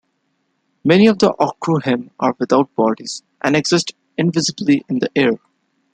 Many of the Ogdru Hem are without bodies and exist, invisibly, in the air.